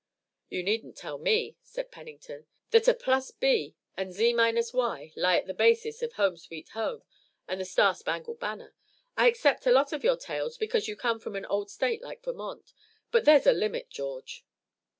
"You needn't tell me," said Pennington, "that a plus b and z minus y lie at the basis of 'Home, Sweet Home' and the 'Star Spangled Banner.' I accept a lot of your tales because you come from an old state like Vermont, but there's a limit, George."